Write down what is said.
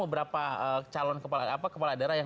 beberapa calon kepala daerah yang